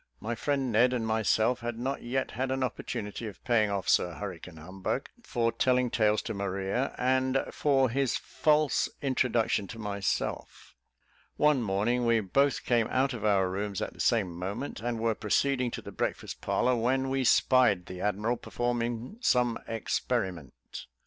My friend Ned and myself had not yet had an opportunity of paying off Sir Hurricane Humbug for telling tales to Maria, and for his false introduction to myself. One morning we both came out of our rooms at the same moment, and were proceeding to the breakfast parlour, when we spied the admiral performing some experiment.